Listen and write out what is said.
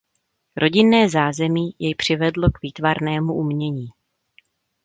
Rodinné zázemí jej přivedlo k výtvarnému umění.